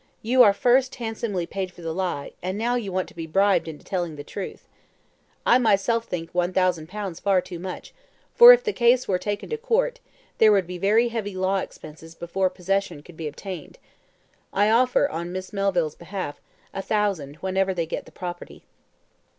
You are first handsomely paid for the lie, and now you want to be bribed into telling the truth. I myself think 1,000 pounds far too much, for if the case were taken to court, there would be very heavy law expenses before possession could be obtained. I offer, on Miss Melville's behalf, a thousand whenever they get the property."